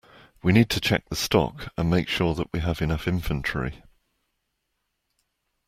We need to check the stock, and make sure that we have enough inventory